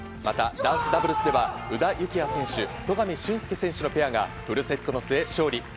また、男子ダブルスでは、宇田幸矢選手・戸上隼輔選手のペアがフルセットの末勝利。